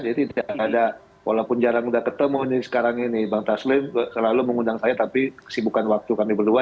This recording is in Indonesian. jadi tidak ada walaupun jarang sudah ketemu sekarang ini bang taslim selalu mengundang saya tapi kesibukan waktu kami berdua